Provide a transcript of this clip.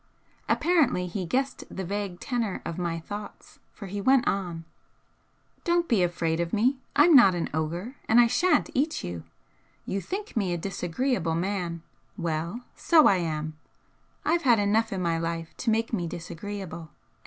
Apparently he guessed the vague tenor of my thoughts, for he went on: "Don't be afraid of me! I'm not an ogre, and I shan't eat you! You think me a disagreeable man well, so I am. I've had enough in my life to make me disagreeable.